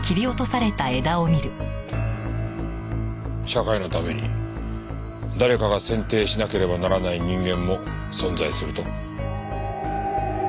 社会のために誰かが剪定しなければならない人間も存在すると？